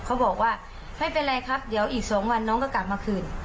เขาบอกว่าไม่เป็นไรครับเดี๋ยวอีก๒วันน้องก็กลับมาคืน